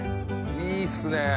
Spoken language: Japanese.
いいっすね。